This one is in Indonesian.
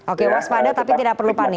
oke waspada tapi tidak perlu panik